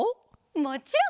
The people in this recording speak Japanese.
もちろん！